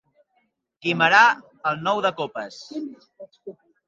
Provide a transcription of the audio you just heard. Guimerà, el nou de copes.